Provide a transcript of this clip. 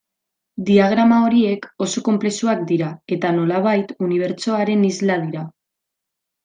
Diagrama horiek oso konplexuak dira eta, nolabait, unibertsoaren isla dira.